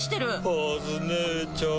カズ姉ちゃん。